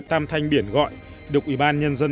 tâm thanh biển gọi được ủy ban nhân dân